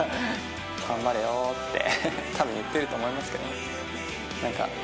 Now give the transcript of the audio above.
頑張れよって言ってると思いますけど。